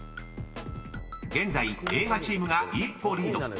［現在映画チームが一歩リード］